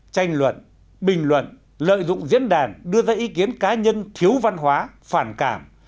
tranh luận bình luận lợi dụng diễn đàn đưa ra ý kiến cá nhân thiếu văn hóa phản cảm